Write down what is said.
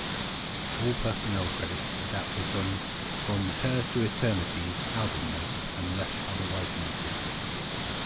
All personnel credits adapted from "From Her to Eternity"s album notes, unless otherwise noted.